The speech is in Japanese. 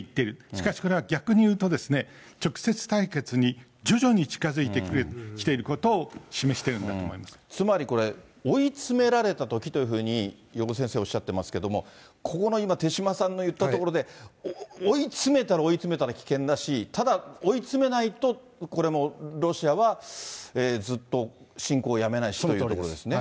しかしこれは逆に言うと、直接対決に徐々に近づいてきていることつまりこれ、追い詰められたときというふうに余語先生おっしゃってますけども、ここの今、手嶋さんの言ったところで、追い詰めたら追い詰めたで危険だし、ただ追い詰めないと、これもロシアはずっと侵攻をやめないしというところですね。